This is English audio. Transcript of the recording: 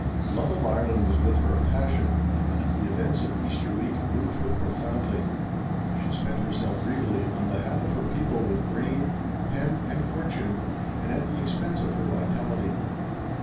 Love of Ireland was with her a passion. The events of Easter week moved her pro foundly. She spent herself regally on behalf of her people with brain, pen and fortune and at the expense of her vitality.